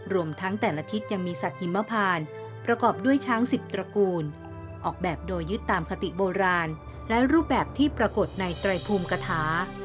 รวมทั้งแต่ละทิศยังมีสัตว์หิมพานประกอบด้วยช้างสิบตระกูลออกแบบโดยยึดตามคติโบราณและรูปแบบที่ปรากฏในไตรภูมิกฐา